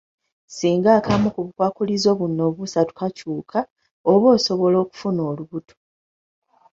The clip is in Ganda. Singa akamu ku bukwakkulizo buno obusatu kakyuka, oba osobola okufuna olubuto.